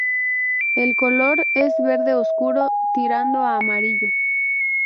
El color es verde oscuro tirando a amarillo.